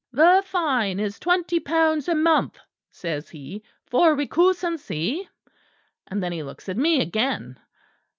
"'The fine is twenty pounds a month,' says he, 'for recusancy,' and then he looks at me again."